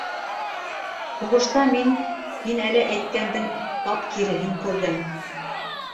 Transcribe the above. Һуғышта мин һин әле әйткәндең тап киреһен күрҙем.